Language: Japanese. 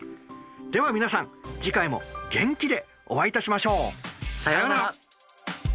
では皆さん次回も元気でお会いいたしましょう。さようなら。